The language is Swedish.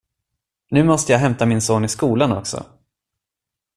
Nu måste jag hämta min son i skolan också.